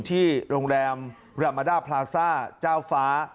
ที่โรงแรมรามาด้าพลาซ่าเจ้าฟ้า